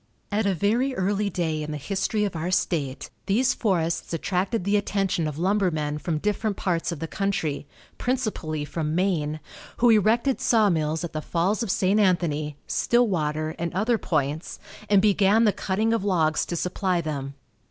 At a very early day in the history of our state these forests attracted the attention of lumbermen from different parts of the country, principally from Maine, who erected sawmills at the Falls of St. Anthony, Stillwater and other points, and began the cutting of logs to supply them.